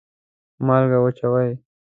مالګه واچوئ